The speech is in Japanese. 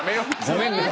ごめんね。